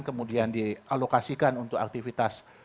kemudian dialokasikan untuk aktivitas